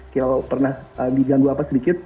kalau pernah diganggu apa sedikit